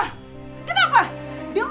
sebetulnya apa sih maunya kamu